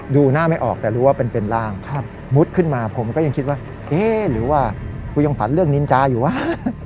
ดูหน้าไม่ออกแต่รู้ว่าเป็นร่างมุดขึ้นมาผมก็ยังคิดว่าเอ๊ะหรือว่ากูยังฝันเรื่องนินจาอยู่วะ